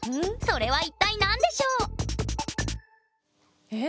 それは一体何でしょう？え？